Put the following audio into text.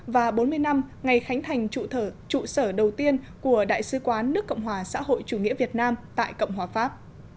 và bốn mươi năm ngày khánh thành trụ sở trụ sở đầu tiên của đại sứ quán nước cộng hòa xã hội chủ nghĩa việt nam tại cộng hòa pháp